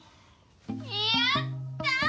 やったー！